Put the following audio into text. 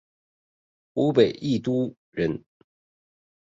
湖北宜都人。